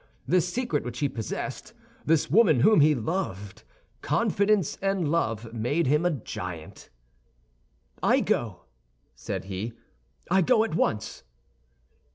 This secret which he possessed, this woman whom he loved! Confidence and love made him a giant. "I go," said he; "I go at once."